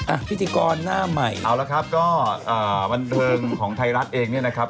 พิธีกรหน้าใหม่เอาละครับก็อ่าบันเทิงของไทยรัฐเองเนี่ยนะครับ